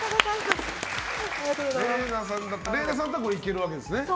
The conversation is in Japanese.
ＲＥＩＮＡさんだったらいけるわけですね。